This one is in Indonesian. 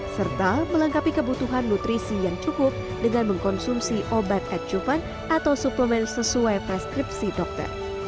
serta melengkapi kebutuhan nutrisi yang cukup dengan mengkonsumsi obat acupan atau suplemen sesuai preskripsi dokter